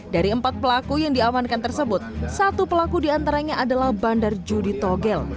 dari empat pelaku yang diamankan tersebut satu pelaku diantaranya adalah bandar judi togel